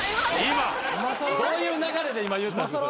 どういう流れで今言うたんですか？